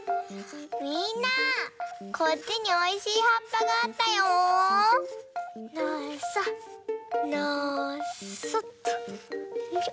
みんなこっちにおいしいはっぱがあったよ！のそのそっとよいしょ。